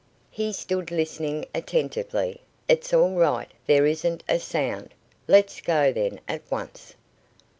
He stood listening attentively. "It's all right. There isn't a sound." "Let's go then, at once."